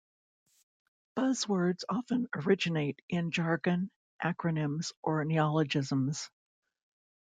Buzzwords often originate in jargon, acronyms, or neologisms.